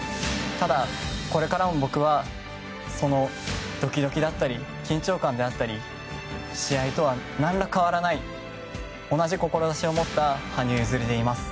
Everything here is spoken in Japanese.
ただ、これからも僕はそのドキドキだったり緊張感だったり試合とは何ら変わらない同じ志しを持った羽生結弦でいます。